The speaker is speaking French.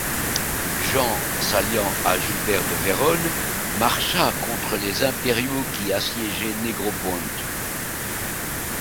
Jean s'alliant à Gilbert de Vérone marcha contre les Impériaux qui assiégeaient Négroponte.